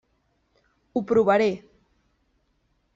Ho provaré.